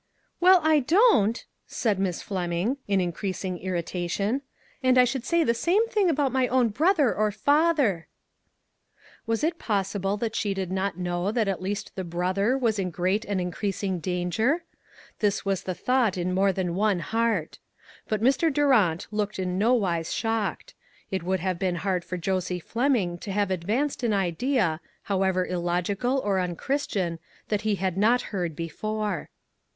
" Well, I don't," said Miss Fleming, in increasing irritation, "and I should say the same thing about my own brother or fa ther." 112 ONE COMMONPLACE DAY. Was it possible that she did not know that at least the brother was in great and increasing danger? This was the thought in more than one heart. But Mr. Durant looked in no wise shocked; it would have been hard for Josie Fleming to have ad vanced an idea, however illogical or unchris tian, that he had not heard before.